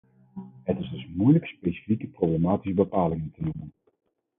Het is dus moeilijk specifieke problematische bepalingen te noemen.